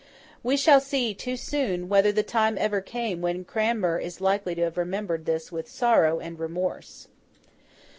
We shall see, too soon, whether the time ever came when Cranmer is likely to have remembered this with sorrow and remorse.